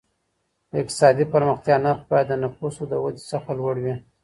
د اقتصادي پرمختیا نرخ باید د نفوسو د ودي څخه لوړ وي.